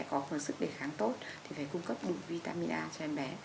có sức đề kháng tốt thì phải cung cấp đủ vitamin a cho em bé